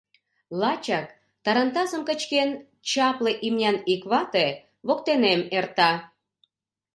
Лачак, тарантасым кычкен, чапле имнян ик вате воктенем эрта.